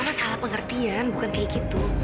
emang salah pengertian bukan kayak gitu